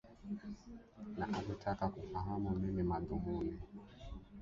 na alitaka kufahamu nini madhumuni